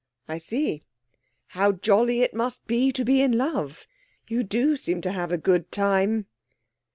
'I see. How jolly it must be to be in love! You do seem to have a good time.'